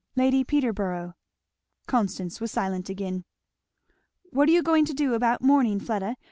"Lady Peterborough." Constance was silent again. "What are you going to do about mourning, Fleda?